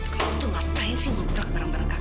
kamu tuh ngapain sih ngobrak bareng bareng kakak